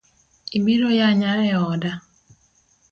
Ibiro yanya e oda .